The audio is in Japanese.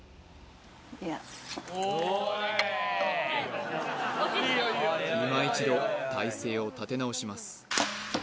いやいま一度体勢を立て直します